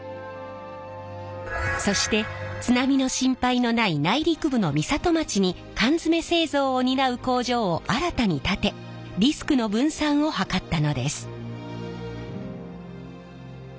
そして津波の心配のない内陸部の美里町に缶詰製造を担う工場を新たに建てリスクの分散を図ったのです。